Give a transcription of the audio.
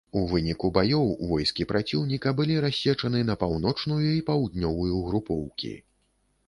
У выніку баёў войскі праціўніка былі рассечаны на паўночную і паўднёвую групоўкі.